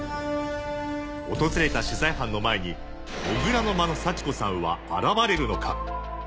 訪れた取材班の前に土竜の間の幸子さんは現れるのか？